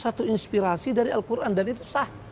satu inspirasi dari al quran dan itu sah